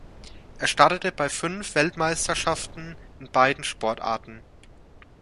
Er startete bei fünf Weltmeisterschaften in beiden Sportarten.